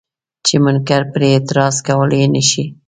چې منکر پرې اعتراض کولی نه شي.